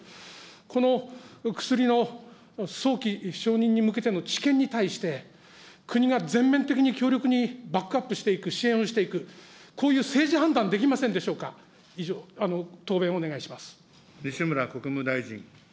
この薬の早期承認に向けての治験に対して、国が全面的に強力にバックアップしていく、支援をしていく、こういう政治判断できませんでしょうか、以上、答弁をお願いします。